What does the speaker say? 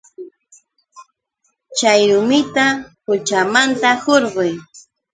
Chay rumita quchamanta hurquy.